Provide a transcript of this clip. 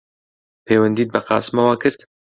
پەیوەندیت بە قاسمەوە کرد؟